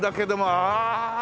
ああ。